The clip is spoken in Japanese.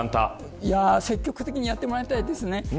積極的にやってもらいたいですね。